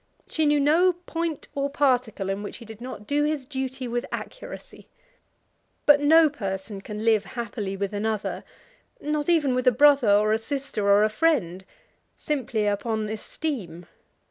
She knew no point or particle in which he did not do his duty with accuracy. But no person can live happily with another, not even with a brother or a sister or a friend, simply upon esteem.